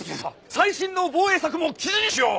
最新の防衛策も記事にしよう！